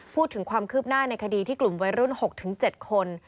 พูดถึงความคืบหน้าในคดีที่กลุ่มวัยรุ่น๖๗คน